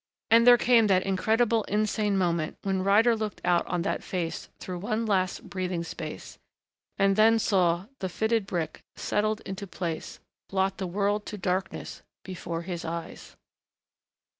And there came the incredible, insane moment when Ryder looked out on that face through one last breathing space, and then saw the fitted brick, settled into place, blot the world to darkness before his eyes.